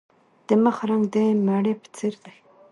د مخ رنګ د مڼې په څیر دی.